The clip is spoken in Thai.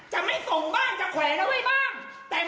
จะไม่ส่งบ้างจะแขวนเอาไว้บ้าง